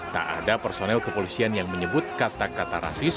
tak ada personel kepolisian yang menyebut kata kata rasis